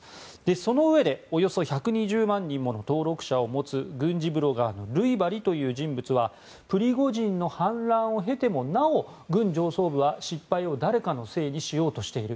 そのうえでおよそ１２０万人もの登録者を持つ軍事ブロガーのルイバリという人物はプリゴジンの反乱を経てもなお軍上層部は失敗を誰かのせいにしようとしている。